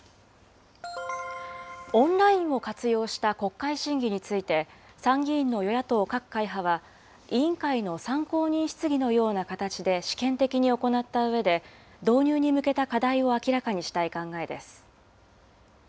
オンラインを活用した国会審議について、参議院の与野党各会派は、委員会の参考人質疑のような形で試験的に行ったうえで、導入に向けた課題を明らかにしたい考えです。